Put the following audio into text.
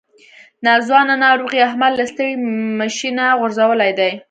ناځوانه ناروغۍ احمد له ستړي مشي نه غورځولی دی.